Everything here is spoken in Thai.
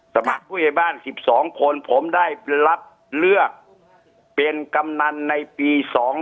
สมัครผู้ใหญ่บ้าน๑๒คนผมได้รับเลือกเป็นกำนันในปี๒๕๖